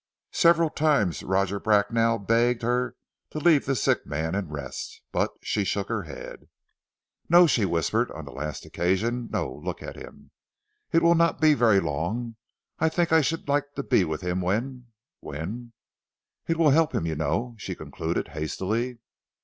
Several times Roger Bracknell begged her to leave the sick man and rest, but she shook her head. "No," she whispered on the last occasion. "No! Look at him. It will not be very long. I think I should like to be with him, when when It will help him, you know," she concluded hastily.